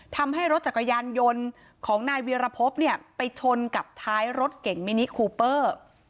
ทำให้รถจักรยานยนต์ของนายเวียรพบเนี่ยไปชนกับท้ายรถเก่งมินิคูเปอร์